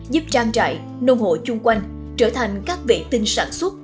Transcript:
giúp trang trại nông hộ chung quanh trở thành các vệ tinh sản xuất